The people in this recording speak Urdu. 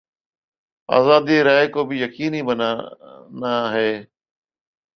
آزادیٔ رائے کو بھی یقینی بناتا ہے۔